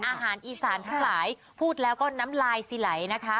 อาหารอีสานทั้งหลายพูดแล้วก็น้ำลายสิไหลนะคะ